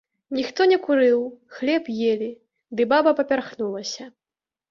Ніхто не курыў, хлеб елі, ды баба папярхнулася.